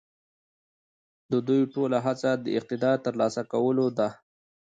د دوی ټوله هڅه د اقتدار د تر لاسه کولو ده.